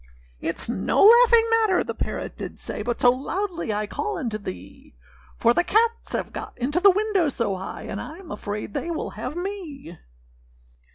â âItâs no laughing matter,â the parrot did say, âBut so loudly I call unto thee; For the cats have got into the window so high, And Iâm afraid they will have me.